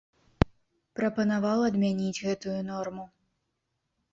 Прапанаваў адмяніць гэтую норму.